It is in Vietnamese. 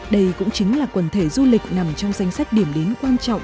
đây cũng chính là quần thể du lịch nằm trong danh sách điểm đến quan trọng